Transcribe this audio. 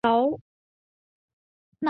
游戏与动画的配音共通。